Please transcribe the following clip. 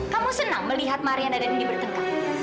kamu senang melihat mariana dan indy bertengkar